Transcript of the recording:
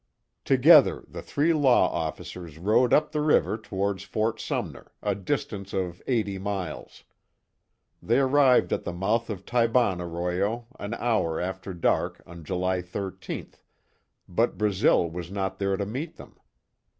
Together the three law officers rode up the river towards Fort Sumner, a distance of eighty miles. They arrived at the mouth of Taiban arroyo an hour after dark on July 13th, but Brazil was not there to meet them.